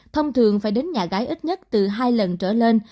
thông thường phải đến nhà gái ít nhất từ hai lần